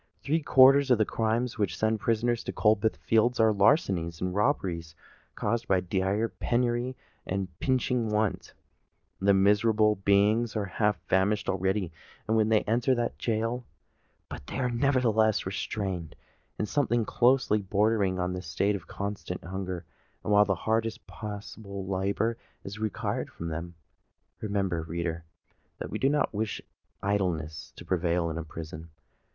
Three quarters of the crimes which send prisoners to Coldbath Fields, are larcenies and robberies caused by dire penury and pinching want: the miserable beings are half famished already when they enter that gaol; but they are nevertheless retained in something closely bordering on that state of constant hunger, while the hardest possible labour is required from them! Remember, reader, that we do not wish idleness to prevail in a prison.